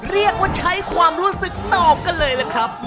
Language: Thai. เรียกว่าใช้ความรู้สึกตอบกันเลยล่ะครับ